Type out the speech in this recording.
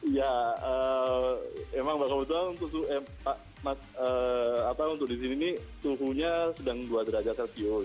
ya emang mbak kabutra untuk di sini suhunya sedang dua derajat celcius